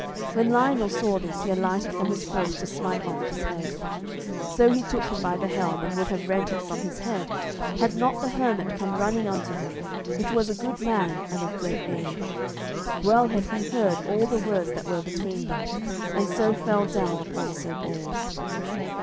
When Lionel saw this, he alighted from his horse to smite off his head. So he took him by the helm, and would have rent it from his head, had not the hermit come running unto him, which was a good man and of great age. Well had he heard all the words that were between them, and so fell down upon Sir Bors.